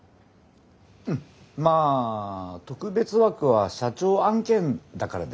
うんまあ特別枠は社長案件だからですね。